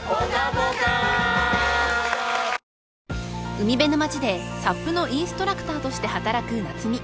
［海辺の街でサップのインストラクターとして働く夏海］